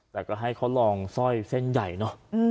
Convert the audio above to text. แต่ก็ให้เขาลองสร้อยเส้นใหญ่เนอะ